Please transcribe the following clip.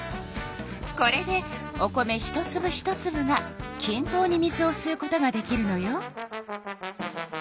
これでお米一つぶ一つぶがきん等に水をすうことができるのよ。